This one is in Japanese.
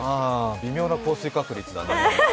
微妙な降水確率ですね。